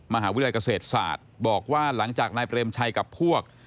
มหาวิทยาลัยเกษตรศาสตร์บอกว่าหลังจากนายเปรมชัยกับพวก